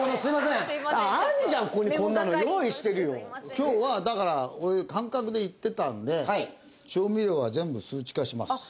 今日はだから俺感覚でいってたんで調味料は全部数値化します。